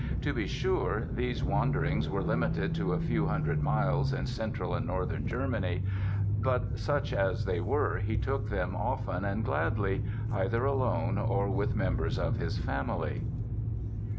To be sure these wanderings were limited to a few hundred miles in Central and Northern Germany. But such as they were he took them often and gladly, either alone or with members of his family.